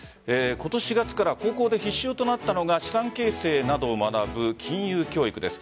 今年４月から高校で必修となったのが資産形成などを学ぶ金融教育です。